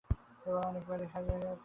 এরা অনেক বারই হ্যাঁয়াও হ্যাঁয়াও করল।